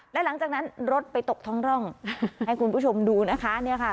และหลังจากนั้นรถไปตกท้องร่องให้คุณผู้ชมดูนะคะเนี่ยค่ะ